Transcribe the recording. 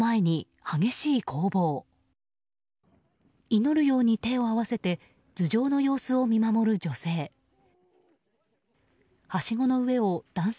祈るように手を合わせて頭上の様子を見守る女性。